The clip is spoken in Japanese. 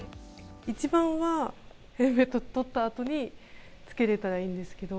一番はヘルメット取ったあとに、つけれたらいいんですけど。